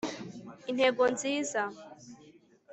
Intego nziza